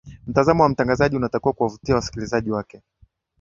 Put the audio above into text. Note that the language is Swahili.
mtazamo wa mtangazaji unatakiwa kuwavutia wasikilizaaji wake